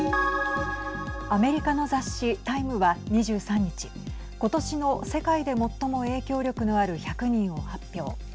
アメリカの雑誌、タイムは２３日ことしの世界で最も影響力のある１００人を発表。